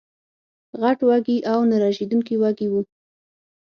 غټ وږي او نه رژېدونکي وږي وو